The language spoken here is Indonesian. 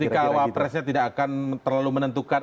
ketika wakil presiden tidak akan terlalu menentukan